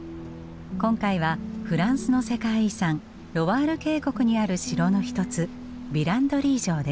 今回はフランスの世界遺産ロワール渓谷にある城の一つヴィランドリー城です。